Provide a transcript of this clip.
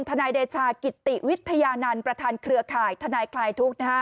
นายเดชากิติวิทยานันต์ประธานเครือข่ายทนายคลายทุกข์